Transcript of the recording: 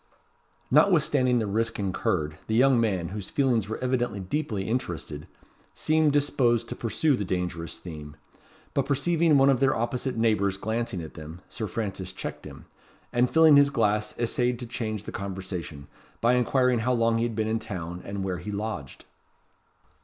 Notwithstanding the risk incurred, the young man, whose feelings were evidently deeply interested, seemed disposed to pursue the dangerous theme; but perceiving one of their opposite neighbours glancing at them, Sir Francis checked him; and filling his glass essayed to change the conversation, by inquiring how long he had been in town, and where he lodged?